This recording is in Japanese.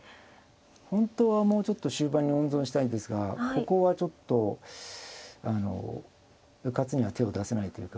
本当はもうちょっと終盤に温存したいんですがここはちょっとうかつには手を出せないというか。